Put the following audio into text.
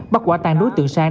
bắt quả tàn đối tượng sang